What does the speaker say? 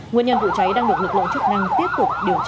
nguyên nhân vụ cháy đang được lực lượng chức năng tiếp tục điều tra làm rõ